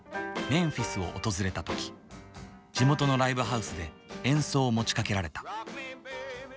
メンフィスを訪れた時地元のライブハウスで演奏を持ちかけられた。